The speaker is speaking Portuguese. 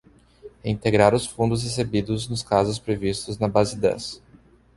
Reintegrar os fundos recebidos nos casos previstos na base dez.